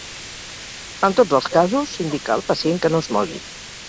En tots els casos, s'indica al pacient que no es mogui.